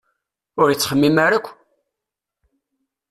Ur ittxemmim ara akk!